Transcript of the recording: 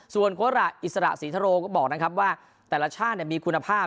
ส่วนกวอร่าอิสระสีทะโรก็บอกนะครับว่าแต่ละชาติเนี่ยมีคุณภาพ